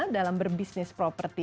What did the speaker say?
dalam berbisnis properti